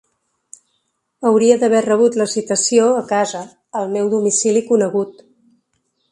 Hauria d’haver rebut la citació a casa, al meu domicili conegut.